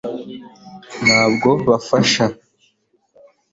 ntabwo bafasha